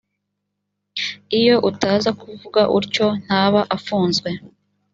iyo utaza kuvuga utyo ntaba afunzwe